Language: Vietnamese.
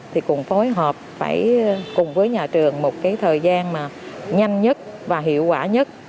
thì cũng phối hợp phải cùng với nhà trường một thời gian nhanh nhất và hiệu quả nhất